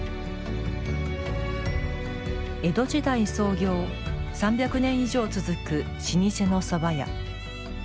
江戸時代創業３００年以上続く老舗のそば屋。